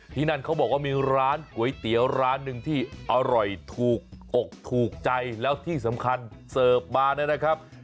ที่นั่นเขาบอกว่ามีร้านก๋วยเตี๋ยวร้านหนึ่งที่อร่อยถูกอกถูกใจแล้วที่สำคัญเสิร์ฟมานะครับ